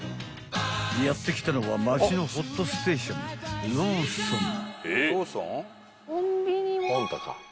［やって来たのはマチのほっとステーションローソン］